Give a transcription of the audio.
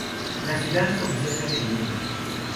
La ciudad es oficialmente bilingüe.